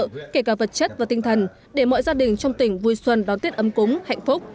thủ tướng hỗ trợ kể cả vật chất và tinh thần để mọi gia đình trong tỉnh vui xuân đón tiết ấm cúng hạnh phúc